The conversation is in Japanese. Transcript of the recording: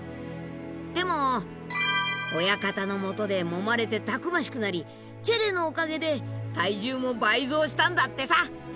でも親方のもとでもまれてたくましくなりチェレのおかげで体重も倍増したんだってさ。